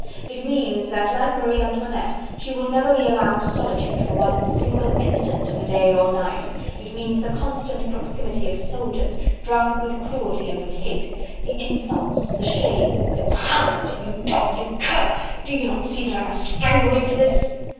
it means, that like Marie Antoinette, she will never be allowed solitude for one single instant of the day or night... it means the constant proximity of soldiers, drunk with cruelty and with hate... the insults, the shame..." "You hound!... you dog!... you cur!... do you not see that I must strangle you for this!..."